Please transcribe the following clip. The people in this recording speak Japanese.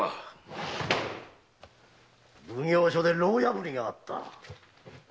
・奉行所で牢破りがあった。